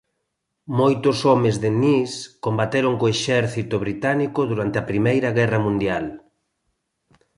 Moitos homes de Ennis combateron co Exército Británico durante a Primeira Guerra Mundial.